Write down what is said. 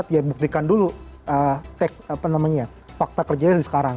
ya buktikan dulu tak apa namanya fakta kerjanya sekarang